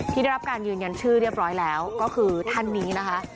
ได้รับการยืนยันชื่อเรียบร้อยแล้วก็คือท่านนี้นะคะ